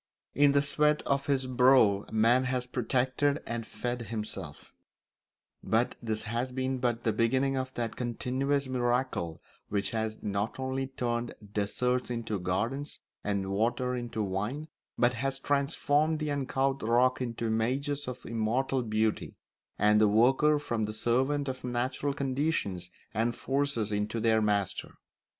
In the sweat of his brow man has protected and fed himself; but this has been but the beginning of that continuous miracle which has not only turned deserts into gardens and water into wine, but has transformed the uncouth rock into images of immortal beauty, and the worker from the servant of natural conditions and forces into their master.